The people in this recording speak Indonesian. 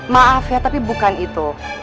maaf ya tapi bukan itu